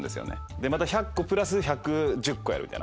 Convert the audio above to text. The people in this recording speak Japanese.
でまた１００個プラス１１０個やるみたいな。